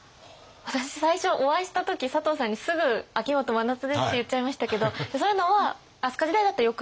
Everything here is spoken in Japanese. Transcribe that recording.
私最初お会いした時佐藤さんにすぐ「秋元真夏です」って言っちゃいましたけどそういうのは飛鳥時代だとよくない。